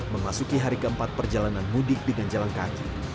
memasuki hari keempat perjalanan mudik dengan jalan kaki